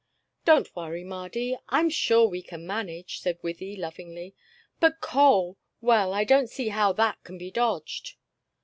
"Don't worry, Mardy; I am sure we can manage," said Wythie, lovingly. "But coal well, I don't see how that can be dodged."